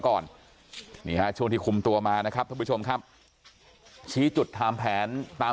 ก่อนนี่ฮะช่วงที่คุมตัวมานะครับท่านผู้ชมครับชี้จุดทำแผนตาม